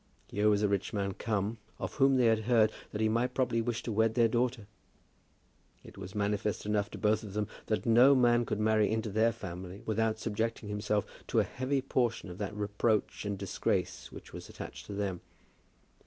Here was a rich man come, of whom they had heard that he might probably wish to wed their daughter. It was manifest enough to both of them that no man could marry into their family without subjecting himself to a heavy portion of that reproach and disgrace which was attached to them.